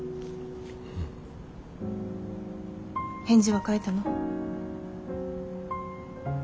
返事は書いたの？